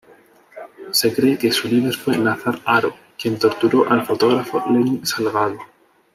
Se cree que su líder fue Nazar Haro quien torturó al fotógrafo Lenin Salgado.